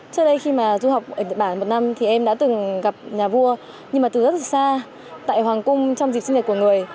trước đây khi mà du học ở nhật bản một năm thì em đã từng gặp nhà vua nhưng mà từ rất xa tại hoàng cung trong dịp sinh nhật của người